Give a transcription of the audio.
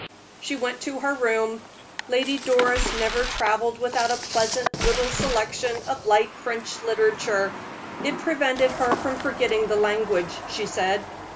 She went to her room. Lady Doris never traveled without a pleasant little selection of light French literature "it prevented her from forgetting the language," she said.